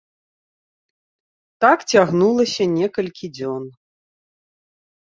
Так цягнулася некалькі дзён.